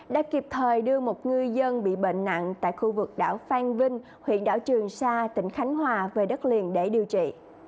đã kịp thời đưa một ngư dân bị bệnh nặng tại khu vực đảo phan vinh huyện đảo trường sa tỉnh khánh hòa về đất liền để điều trị